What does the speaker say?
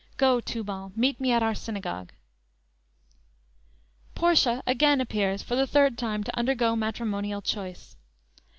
Go, Tubal, meet me at our synagogue."_ Portia again appears for the third time to undergo matrimonial choice.